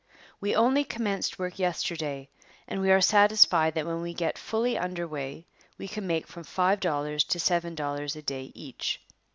We only commenced work yesterday and we are satisfied that when we get fully under way we can make from five dollars to seven dollars a day each.